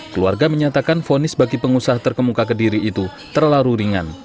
keluarga menyatakan fonis bagi pengusaha terkemuka kediri itu terlalu ringan